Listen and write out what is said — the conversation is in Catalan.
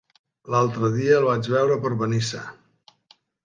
L'altre dia el vaig veure per Benissa.